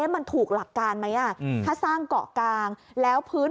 มันถูกหลักการไหมถ้าสร้างเกาะกลางแล้วพื้น